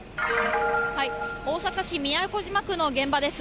大阪市都島区の現場です。